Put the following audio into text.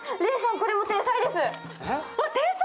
これも天才です。